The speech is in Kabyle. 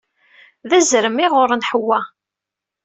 D azrem ay iɣurren Ḥewwa.